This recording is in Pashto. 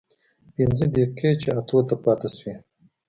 پينځه دقيقې چې اتو ته پاتې سوې.